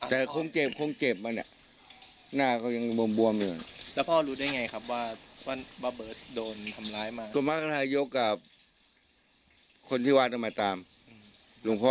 แล้วก็มาถามมาถ่าย